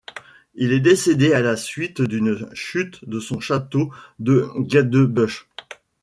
Il est décédé à la suite d'une chute à son château de Gadebusch.